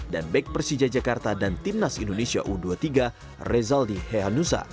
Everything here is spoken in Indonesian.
dan back persija jakarta dan timnas indonesia u dua puluh tiga rezaldi hehanusa